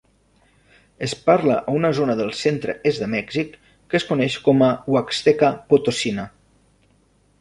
Es parla a una zona del centre-est de Mèxic que es coneix com a "Huaxteca-Potossina".